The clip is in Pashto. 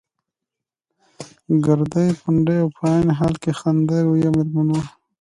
ګردۍ، پنډه او په عین حال کې خنده رویه مېرمن وه.